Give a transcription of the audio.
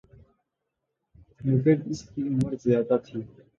مگر اس کی عمر زیادہ تھی